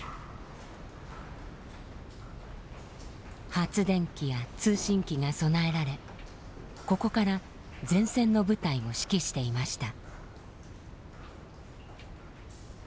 発電機や通信機が備えられここから前線の部隊を指揮していました。